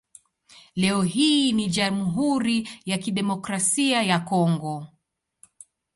Leo hii ni Jamhuri ya Kidemokrasia ya Kongo.